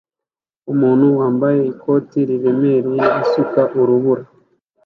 Umuntu wambaye ikote riremereye asuka urubura